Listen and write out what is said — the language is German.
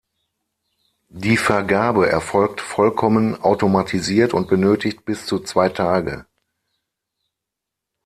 Die Vergabe erfolgt vollkommen automatisiert und benötigt bis zu zwei Tage.